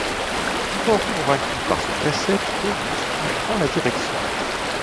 Fort convaincu par ce précepte, Auguste y prend la direction.